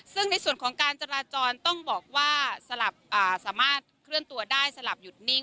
ซึ่งในส่วนของการจราจรต้องบอกว่าสลับสามารถเคลื่อนตัวได้สลับหยุดนิ่ง